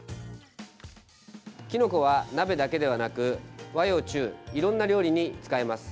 きのこは鍋だけではなく和洋中いろんな料理に使えます。